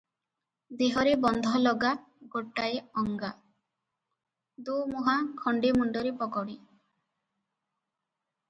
ଦେହରେ ବନ୍ଧଲଗା ଗୋଟାଏ ଅଙ୍ଗା, ଦୋମୁହାଁ ଖଣ୍ଡେ ମୁଣ୍ଡରେ ପଗଡ଼ି ।